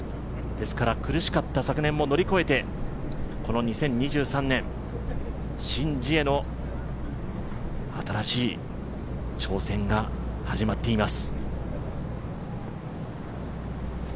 ですから苦しかった昨年を乗り越えてこの２０２３年、シン・ジエの新しい挑戦が始まっています。